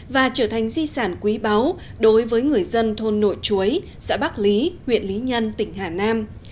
và trở thành di sản quý báu đối với người dân thôn nội chuối xã bắc lý huyện lý nhân tỉnh hà nam